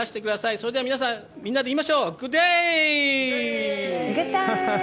それでは皆さん、みんなで言いましょうグッダイ！